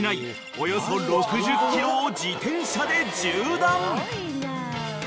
およそ６０ｋｍを自転車で縦断］